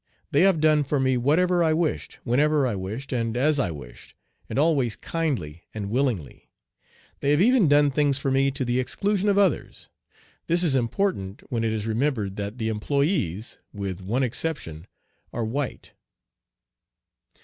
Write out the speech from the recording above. They have done for me whatever I wished, whenever I wished, and as I wished, and always kindly and willingly. They have even done things for me to the exclusion of others. This is important when it is remembered that the employés, with one exception, are white.